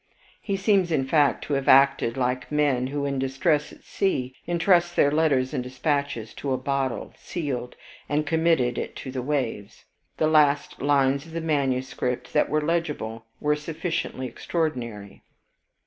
He seems, in fact, to have acted like men, who, in distress at sea, intrust their letters and dispatches to a bottle sealed, and commit it to the waves. The last lines of the manuscript that were legible, were sufficiently extraordinary.